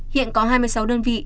hiện có hai mươi sáu đơn vị